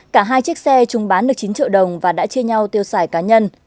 cả hai chiếc xe chung bán được chín triệu đồng và đã chia nhau tiêu xài cá nhân